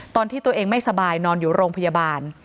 ตอนที่ตัวเองไม่สบายนอนอยู่โรงพยาบาล